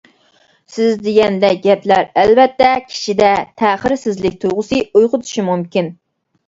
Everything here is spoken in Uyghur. سىز دېگەندەك گەپلەر ئەلۋەتتە كىشىدە تەخىرسىزلىك تۇيغۇسى ئويغىتىشى مۇمكىن.